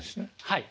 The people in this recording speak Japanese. はい。